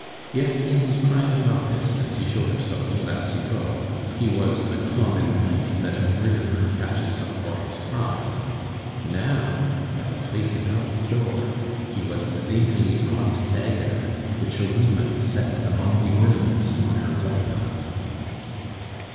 If in his private office, as he showed himself to La Cibot, he was the common knife that a murderer catches up for his crime, now, at the Presidente's door, he was the daintily wrought dagger which a woman sets among the ornaments on her what not.